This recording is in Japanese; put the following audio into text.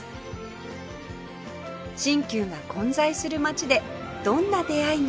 新旧が混在する街でどんな出会いが